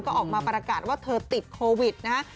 ก็ออกมาประกาศว่าเธอติดโควิดนะฮะ